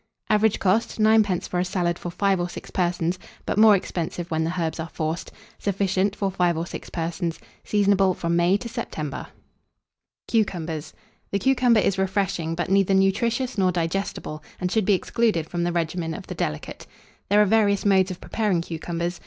Average cost, 9d. for a salad for 5 or 6 persons; but more expensive when the herbs are forced. Sufficient for 5 or 6 persons. Seasonable from May to September. CUCUMBERS. The cucumber is refreshing, but neither nutritious nor digestible, and should be excluded from the regimen of the delicate. There are various modes of preparing cucumbers.